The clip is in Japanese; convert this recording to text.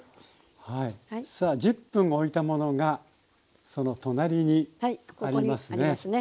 さあ１０分おいたものがその隣にありますね。